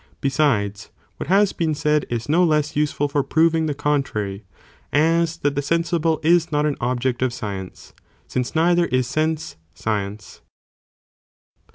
Besides, what has been said is no less useful for (proving) the contrary, as that the sensible is not an object of science, since neither is sense, science.